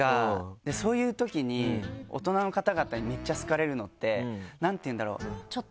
そういうときに大人の方々にめっちゃ好かれるのって何ていうんだろう？